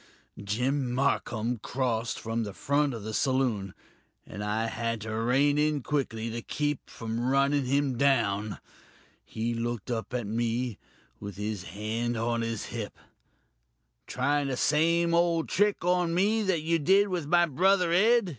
Jim Marcum crossed from the front of the saloon, and I had to rein in quickly to keep from running him down. He looked up at me, with his hand on his hip. 'Trying the same old trick on me that you did with my brother Ed?'